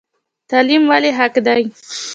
تعلیم ولې حق دی؟